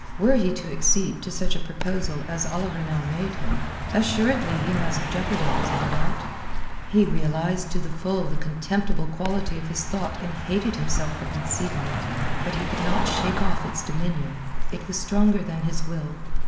Were he to accede to such a proposal as Oliver now made him, assuredly he must jeopardize all that. He realized to the full the contemptible quality of his thought and hated himself for conceiving it. But he could not shake off its dominion. It was stronger than his will.